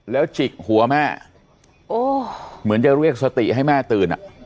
แล้วจิกหัวแม่เหมือนจะเรียกสติให้แม่ตื่นอ่ะ